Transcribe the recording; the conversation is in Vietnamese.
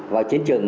vào chiến trường